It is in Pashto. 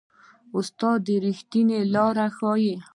استاد د ریښتیا لاره ښيي.